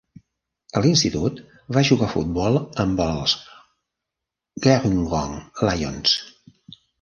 A l'institut va jugar futbol amb els Gerringong Lions.